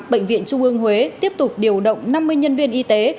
bệnh viện trung ương huế tiếp tục điều động năm mươi nhân viên y tế